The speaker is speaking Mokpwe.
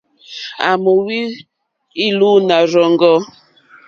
À wóhwì ìlùùnǎ rzáŋɡó.